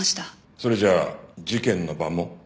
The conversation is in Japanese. それじゃあ事件の晩も？